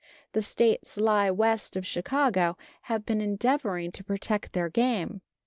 The States lying west of Chicago have been endeavoring to protect their game.